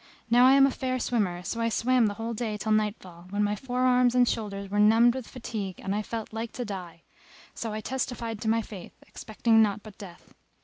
Now I am a fair swimmer, so I swam the whole day till nightfall, when my forearms and shoulders were numbed with fatigue and I felt like to die; so I testified to my faith, expecting naught but death.